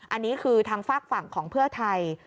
อันนี้คือทางฝากฝั่งของเพื่อไทย